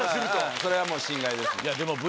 それはもう心外です。